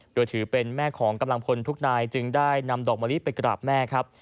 โดยถือเป็นแม่ของกำลังพลทุกนายจึงได้นำดอกมะลิไปกราบแม่ครับ